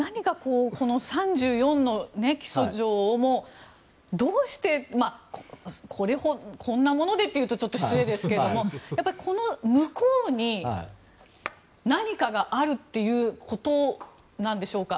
３４の起訴状もどうしてこんなものでというとちょっと失礼ですがこの向こうに何かがあるということなんでしょうか。